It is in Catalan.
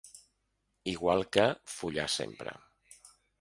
Igual que ‘Follar sempre’.